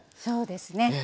そうですね